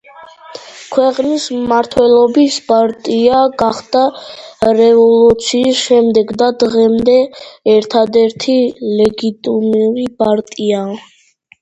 ქვეყნის მმართველი პარტია გახდა რევოლუციის შემდეგ და დღემდე ერთადერთი ლეგიტიმური პარტიაა.